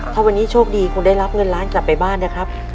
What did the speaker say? ถ้าวันนี้โชคดีคงได้รับเงินล้านกลับไปบ้านนะครับ